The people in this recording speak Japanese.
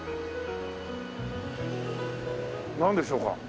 なんでしょうか？